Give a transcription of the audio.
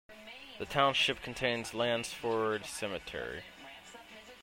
The township contains Lansford Cemetery.